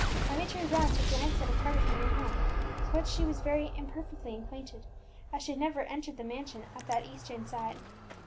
Emmie turned round to glance at a part of her new home with which she was very imperfectly acquainted, as she had never entered the mansion at that eastern side.